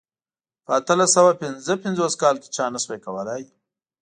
په اتلس سوه پنځه پنځوس کال کې چا نه شوای کولای.